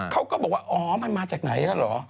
เขาก็บอกว่าอ๋อมันมาจากไหนแล้วเหรอ